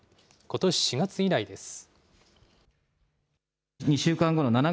ことし４月以来です。